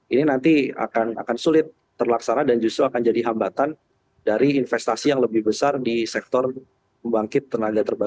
ini nanti akan sulit terlaksana dan justru akan jadi hambatan dari investasi yang lebih besar di sektor pembangkit tenaga kerja